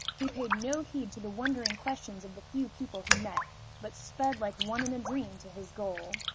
He paid no heed to the wondering questions of the few people he met, but sped like one in a dream to his goal.